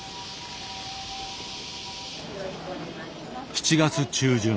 ７月中旬。